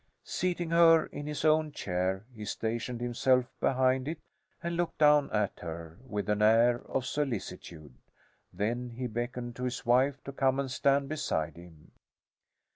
Seating her in his own chair, he stationed himself behind it and looked down at her with an air of solicitude; then he beckoned to his wife to come and stand beside him.